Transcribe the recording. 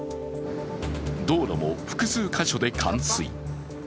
道路も複数箇所で冠水。